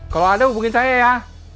kalau ada hubungin saya ya